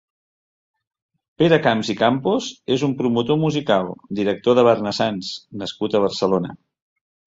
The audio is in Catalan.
Pere Camps i Campos és un promotor musical, director de Barnasants nascut a Barcelona.